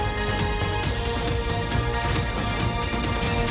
มีอีก๙คนเอากลัว